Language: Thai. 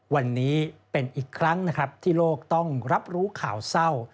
วันนี้เป็นอีกครั้งนะครับที่โลกต้องรับรู้ข่าวเศร้า